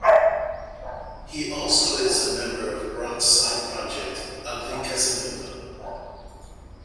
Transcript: He also is a member of Brock's side project Ugly Casanova.